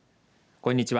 こんにちは。